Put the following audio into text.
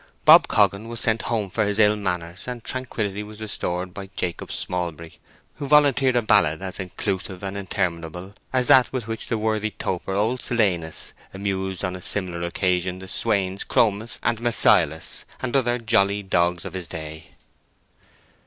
Bob Coggan was sent home for his ill manners, and tranquility was restored by Jacob Smallbury, who volunteered a ballad as inclusive and interminable as that with which the worthy toper old Silenus amused on a similar occasion the swains Chromis and Mnasylus, and other jolly dogs of his day.